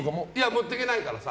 持っていけないから。